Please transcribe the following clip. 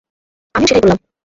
আমিও সেটাই বললাম।